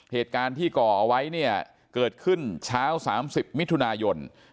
เหตุการณ์ที่ก่อเอาไว้เนี่ยเกิดขึ้นเช้า๓๐มิถุนายน